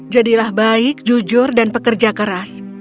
jadilah baik jujur dan pekerja keras